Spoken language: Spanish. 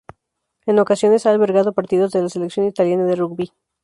En ocasiones ha albergado partidos de la Selección italiana de rugby.